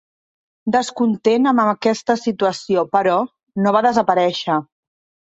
Descontent amb aquesta situació, però, no va desaparèixer.